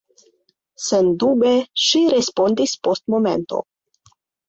Sendube, ŝi respondis post momento.